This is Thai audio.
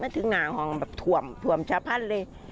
ถึงหน้าห้องแบบถ่วมถ่วมชะพันธุ์เลย